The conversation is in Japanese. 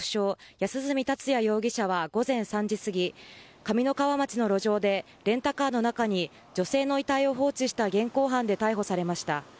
安栖達也容疑者は午前３時すぎ上三川町の路上でレンタカーの中に女性の遺体を放置した現行犯で逮捕されました。